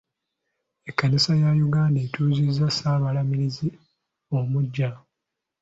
Ekkanisa ya Uganda etuuzizza Ssaabalabirizi omuggya.